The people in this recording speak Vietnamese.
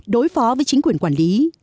đối phó với chính quyền quản lý